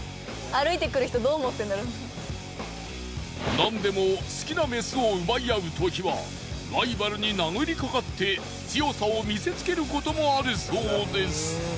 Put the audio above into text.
なんでも好きなメスを奪い合うときはライバルに殴りかかって強さを見せつける事もあるそうです。